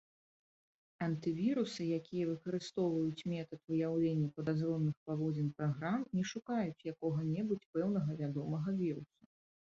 Антывірусы, якія выкарыстоўваюць метад выяўлення падазроных паводзін праграм, не шукаюць якога-небудзь пэўнага вядомага віруса.